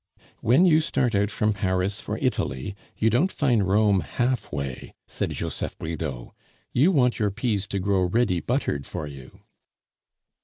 "When you start out from Paris for Italy, you don't find Rome half way," said Joseph Bridau. "You want your pease to grow ready buttered for you."